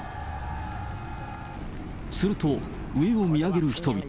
すると、上を見上げる人々。